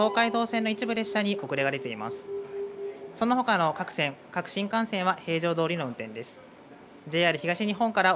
そのほかの各線、各新幹線は平常どおりの運転です。